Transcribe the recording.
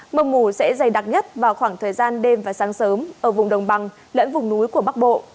mầm ngủ sẽ dày đặc nhất vào khoảng thời gian đêm và sáng sớm ở vùng đồng bằng lẫn vùng núi của bắc bộ